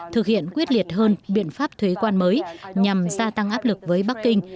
thực hiện quyết liệt hơn biện pháp thuế quan mới nhằm gia tăng áp lực với bắc kinh